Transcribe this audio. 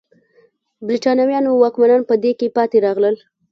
برېټانوي واکمنان په دې کې پاتې راغلل.